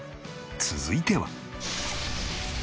続いては。